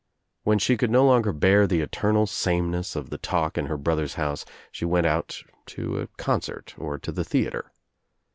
When she could no longer bear the eternal sameness of the talk in her brother's house she went out to a concert or to the theatre.